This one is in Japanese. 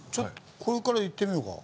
これからいってみようか。